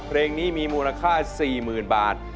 เพลงนี้มีมูลค่า๔๐๐๐บาท